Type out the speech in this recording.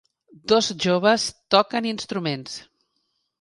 Dos joves toquen instruments.